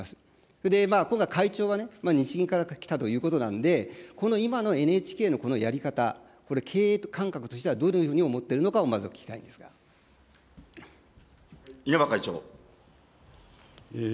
それで、今回、会長は日銀から来たということなんで、この今のＮＨＫのこのやり方、これ、経営感覚としてはどういうふうに思っているのかを、まず聞稲葉会長。